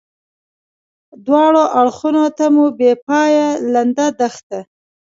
دواړه اړخو ته مو بې پایې لنده دښته.